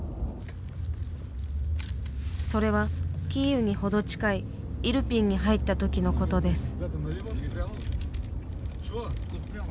それはキーウに程近いイルピンに入った時のことです。